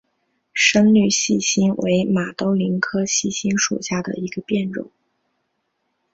深绿细辛为马兜铃科细辛属下的一个变种。